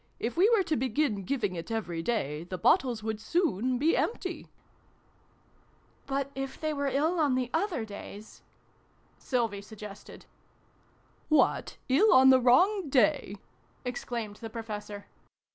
If we were to begin giving it every day, the bottles would soon be empty !"" But if they were ill on the other days ?" Sylvie suggested. " What, ill on the wrong day /" exclaimed the Professor.